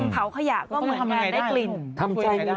เพลาขยะก็เหมือนกับได้กลิ่น